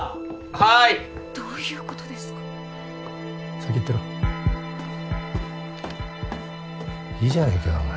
はいどういうことですか先行ってろいいじゃねえかよお前